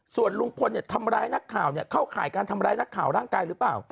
ส่วนลุงพลทำร้ายนักข่าวเข้าข่ายการทำร้ายนักข่าวร่างกายหรือเปล่า